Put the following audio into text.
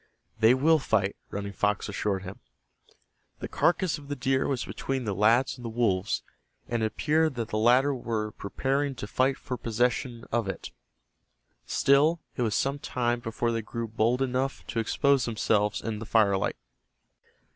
"They will fight," Running Fox assured him. The carcass of the deer was between the lads and the wolves, and it appeared that the latter were preparing to fight for possession of it. Still, it was some time before they grew hold enough to expose themselves in the firelight.